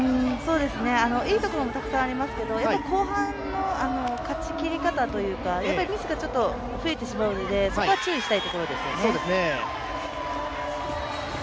いいところもたくさんありますけどやっぱり後半の勝ちきり方というかミスがちょっと増えてしまうのでそこは注意したいところですね。